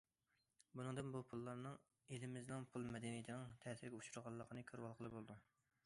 بۇنىڭدىن بۇ پۇللارنىڭ ئېلىمىزنىڭ پۇل مەدەنىيىتىنىڭ تەسىرىگە ئۇچرىغانلىقىنى كۆرۈۋالغىلى بولىدۇ.